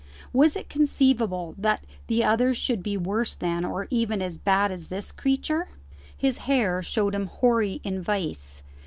Was it conceivable that the others should be worse than, or even as bad as, this creature? His hair showed him hoary in vice.